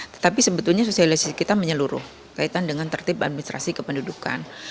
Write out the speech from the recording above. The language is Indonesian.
tetapi sebetulnya sosialisasi kita menyeluruh kaitan dengan tertib administrasi kependudukan